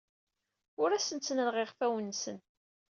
Ur asen-ttnaleɣ iɣfawen-nsen.